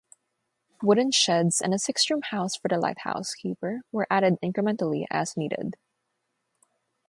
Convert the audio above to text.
Wooden sheds and a six-room house for the lighthouse-keeper were added incrementally as needed.